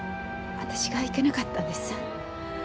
私がいけなかったんです。